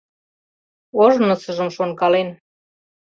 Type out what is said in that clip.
Ожнысыжым шонкален